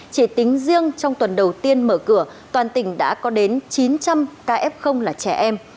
chỉ tính riêng trong tuần đầu tiên mở cửa toàn tỉnh đã có đến chín trăm linh kf là trẻ em